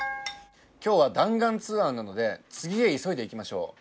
「今日は弾丸ツアーなので次へ急いで行きましょう！！」